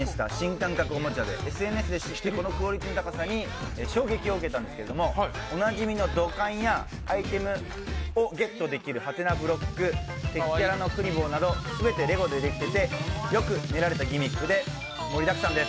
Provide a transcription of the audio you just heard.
実はレゴでできていましてレゴスーパーマリオというレゴでマリオの世界観を再現した新感覚おもちゃで、ＳＮＳで知ってこのクオリティーの高さに衝撃を受けたんですけどおなじみの土管や、アイテムをゲットできるハテナブロック、敵キャラのクリボーなど全てレゴでできていてよく練られたギミックで盛りだくさんです。